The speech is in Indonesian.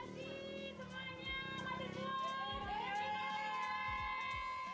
terima kasih semuanya mati dulu